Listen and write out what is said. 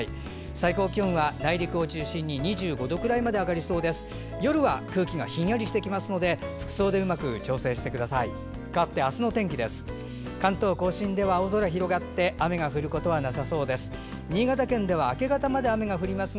最高気温は内陸を中心に２５度くらいまで上がりそうです。